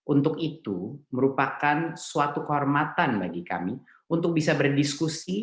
untuk itu merupakan suatu kehormatan bagi kami untuk bisa berdiskusi